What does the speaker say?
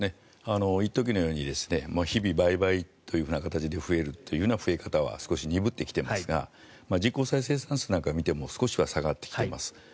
一時のように日々倍々というような形で増えるというのは増え方は少し鈍ってきていますが実効再生産数なんかを見ても少しは下がってきています。